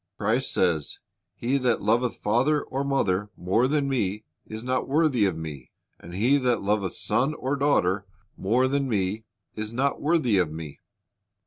Christ says, "He that loveth father or mother more than Me is not worthy of Me, and he that loveth son or daughter more than Me is not worthy of Me."